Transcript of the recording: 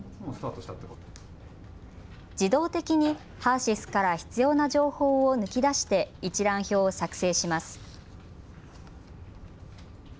自動的にＨＥＲーＳＹＳから必要な情報を抜き出して一覧表を作成します。